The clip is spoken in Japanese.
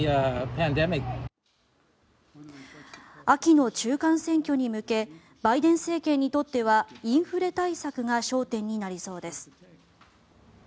秋の中間選挙に向けバイデン政権にとってはインフレ対策が焦点になりそうです。